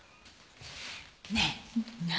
ねえ何？